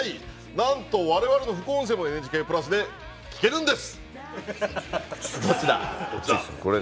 なんと我々の副音声もＮＨＫプラスで聞けるんです。